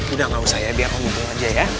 udah nggak usah ya biar kau ngitung aja ya